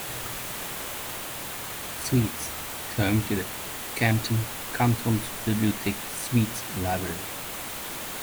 Schwyz is home to the "Kantonsbibliothek Schwyz" library.